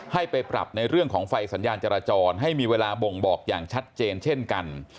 ให้ไปปรับในเรื่องของไฟสัญญาณจราจรให้มีเวลาบ่งบอกอย่างชัดเจนเช่นกัน